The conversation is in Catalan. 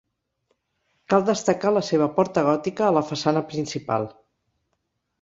Cal destacar la seva porta gòtica a la façana principal.